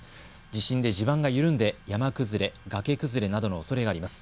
地震で地盤が緩んで、山崩れ、崖崩れなどのおそれがあります。